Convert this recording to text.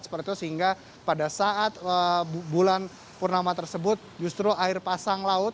sehingga pada saat bulan purnama tersebut justru air pasang laut